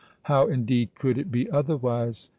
How, indeed, could it be otherwise?